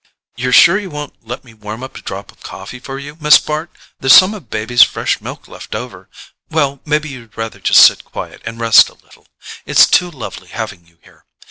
"You're sure you won't let me warm up a drop of coffee for you, Miss Bart? There's some of baby's fresh milk left over—well, maybe you'd rather just sit quiet and rest a little while. It's too lovely having you here.